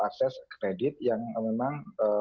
akses kredit yang memang